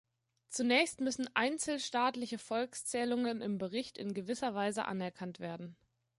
Zunächst müssen einzelstaatliche Volkszählungen im Bericht in gewisser Weise anerkannt werden.